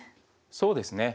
そうですね。